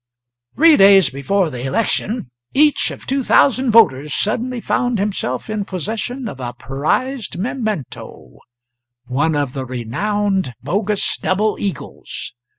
Three days before the election each of two thousand voters suddenly found himself in possession of a prized memento one of the renowned bogus double eagles.